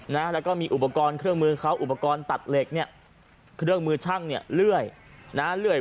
และอุปกรณ์เครื่องมือเขาอุปกรณ์ตัดเหล็กเครื่องมือช่างเหลือย